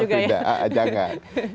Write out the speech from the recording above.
jangan juga ya